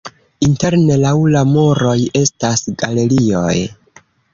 Interne laŭ la muroj estas galerioj.